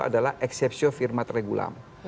adalah exception firma regulam